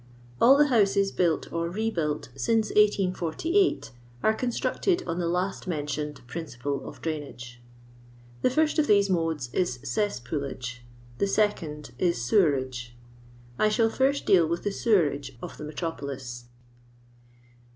All the houses built or rebuilt since 1848 are constructed on the last mentioned principle of drainage. The first of these modes is cesspoolage. The second is sewerage. I shall first deal with the sewerage of the me tropolis.